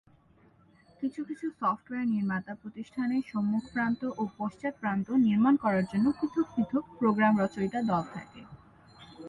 কিছু কিছু সফটওয়্যার নির্মাতা প্রতিষ্ঠানে সম্মুখ প্রান্ত ও পশ্চাৎ প্রান্ত নির্মাণ করার জন্য পৃথক পৃথক প্রোগ্রাম রচয়িতা দল থাকে।